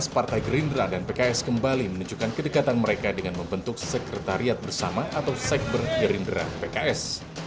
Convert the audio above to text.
partai gerindra dan pks kembali menunjukkan kedekatan mereka dengan membentuk sekretariat bersama atau sekber gerindra pks